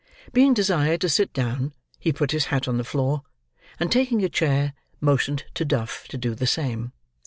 Being desired to sit down, he put his hat on the floor, and taking a chair, motioned to Duff to do the same.